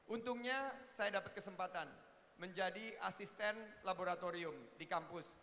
untungnya saya dapat kesempatan menjadi asisten laboratorium di kampus